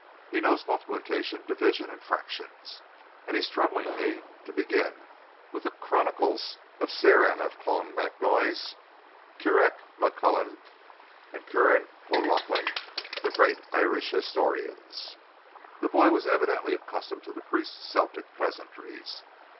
He knows multiplication, division and fractions; and he's troubling me to begin wid the chronicles of Ciaran of Clonmacnoise, Corurac McCullenan and Cuan O'Lochain, the gr r reat Irish histhorians." The boy was evidently accustomed to the priest's Celtic pleasantries.